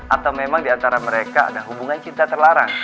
atau memang di antara mereka ada hubungan cinta terlarang